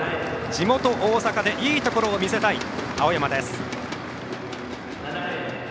地元・大阪でいいところを見せたい青山です。